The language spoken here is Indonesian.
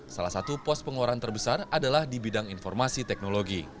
salah satu pos pengeluaran terbesar adalah di bidang informasi teknologi